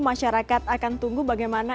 masyarakat akan tunggu bagaimana